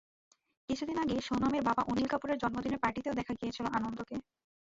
কিছুদিন আগে সোনমের বাবা অনিল কাপুরের জন্মদিনের পার্টিতেও দেখা গিয়েছিল আনন্দকে।